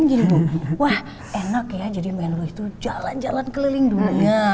ngebayangkan gitu bu wah enak ya jadi menlo itu jalan jalan keliling dunia